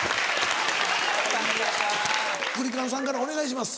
クリカンさんからお願いします。